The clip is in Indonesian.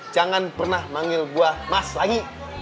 jangan pernah manggil gue mas lagi